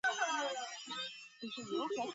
毕业于。